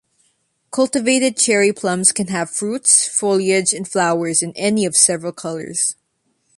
Cultivated cherry plums can have fruits, foliage, and flowers in any of several colours.